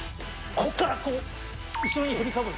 ここからこう、後ろに振りかぶる。